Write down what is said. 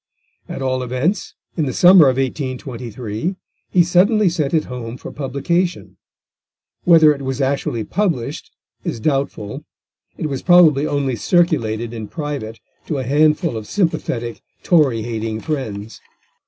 At all events, in the summer of 1823 he suddenly sent it home for publication; whether it was actually published is doubtful, it was probably only circulated in private to a handful of sympathetic Tory hating friends.